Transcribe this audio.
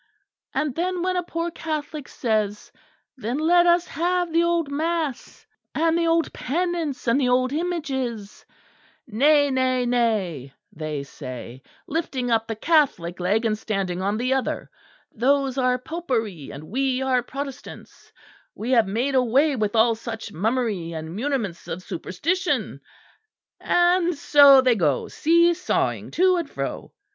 And then when a poor Catholic says, Then let us have the old mass, and the old penance and the old images: Nay, nay, nay, they say, lifting up the Catholic leg and standing on the other, those are Popery; and we are Protestants; we have made away with all such mummery and muniments of superstition. And so they go see sawing to and fro.